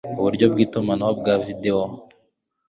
uburyo bw itumanaho bwa videwo